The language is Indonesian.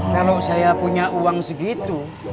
kalau saya punya uang segitu